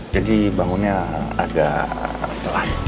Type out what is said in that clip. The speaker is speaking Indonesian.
jadi bangunnya agak telat